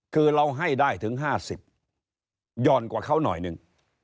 คือเราให้ได้ถึงห้าสิบยอดกว่าเค้าหน่อยหนึ่ง